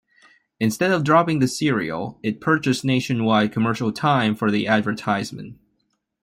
Instead of dropping the cereal, it purchased nationwide commercial time for the advertisement.